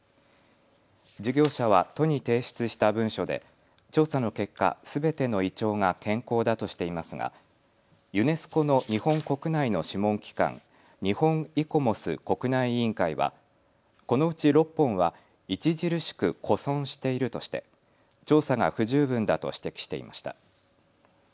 事業者は都に提出した文書で調査の結果、すべてのイチョウが健康だとしていますがユネスコの日本国内の諮問機関、日本イコモス国内委員会はこのうち６本は著しく枯損しているとして調査が不十分だと指摘していました。